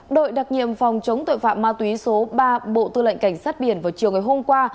đội đặc nhiệm phòng chống tội phạm ma túy số ba bộ tư lệnh cảnh sát biển vào chiều ngày hôm qua